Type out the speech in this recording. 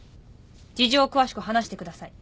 事情を詳しく話してください。